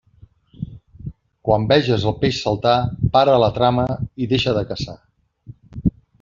Quan veges el peix saltar, para la trama i deixa de caçar.